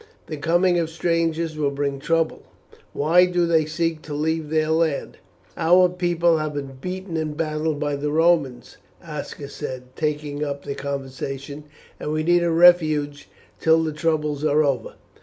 The coming of strangers will bring trouble. Why do they seek to leave their land?" "Our people have been beaten in battle by the Romans," Aska said, taking up the conversation, "and we need a refuge till the troubles are over."